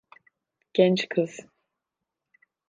Genç kız.